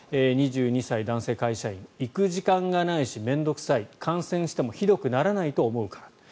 ２２歳、男性会社員行く時間がないし面倒臭い、感染してもひどくならないと思うから。